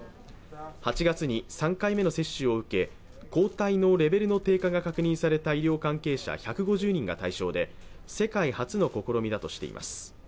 ８月に３回目の接種を受け抗体のレベルの低下が確認された医療関係者１５０人が対象で、世界初の試みだとしています。